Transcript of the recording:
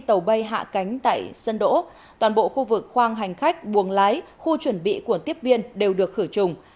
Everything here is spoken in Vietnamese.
sau khi tàu bay hạ cánh tại sơn đỗ toàn bộ khu vực khoang hành khách buồng lái khu chuẩn bị của tiếp viên đều được khử trùng